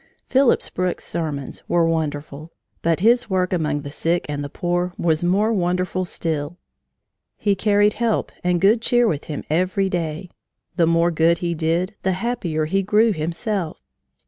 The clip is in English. Phillips Brooks's sermons were wonderful, but his work among the sick and the poor was more wonderful still. He carried help and good cheer with him every day. The more good he did, the happier he grew himself.